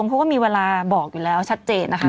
เขาก็มีเวลาบอกอยู่แล้วชัดเจนนะคะ